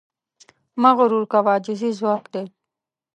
مه غرور کوه، عاجزي ځواک دی.